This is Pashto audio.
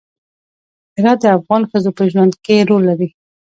هرات د افغان ښځو په ژوند کې رول لري.